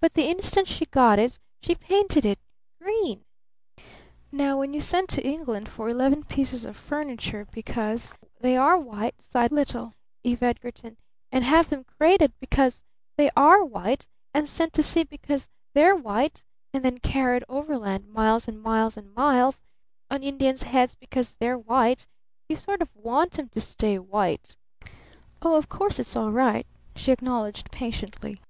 But the instant she got it she painted it green! Now when you send to England for eleven pieces of furniture because they are white," sighed little Eve Edgarton, "and have them crated because they're white and sent to sea because they're white and then carried overland miles and miles and miles on Indians' heads because they're white, you sort of want 'em to stay white. Oh, of course it's all right," she acknowledged patiently.